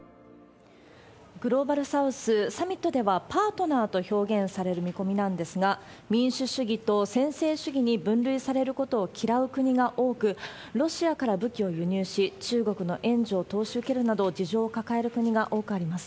グローバルサウス、サミットではパートナーと表現される見込みなんですが、民主主義と専制主義に分類されることを嫌う国が多く、ロシアから武器を輸入し、中国の援助、投資を受けるなど事情を抱える国が多くあります。